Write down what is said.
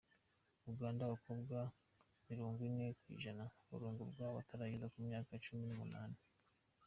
Uganda Abakobwa mirongwine kw’ijana barongorwa batarageza ku myaka cumi numunani